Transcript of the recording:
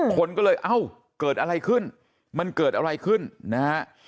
คนก็เลยเอ้าเกิดอะไรขึ้นมันเกิดอะไรขึ้นนะฮะ